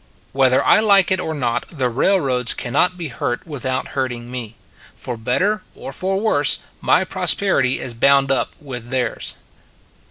Whether I like it or not, the railroads can not be hurt without hurting me : for better or for worse, my prosperity is bound up with theirs.